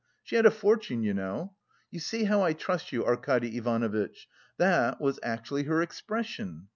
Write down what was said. She had a fortune, you know. 'You see how I trust you, Arkady Ivanovitch' that was actually her expression.